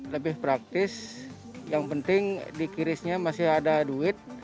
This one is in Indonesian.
lebih praktis yang penting di kirisnya masih ada duit